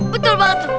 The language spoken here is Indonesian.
betul banget tuh